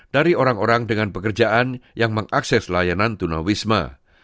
dari orang orang dengan pekerjaan yang mengakses layanan tunawisma